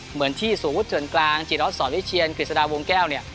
เหมือนที่สมมุติเถื่อนกลางจิตรัสสอนวิเชียนกฤษฎาวงแก้วเนี่ย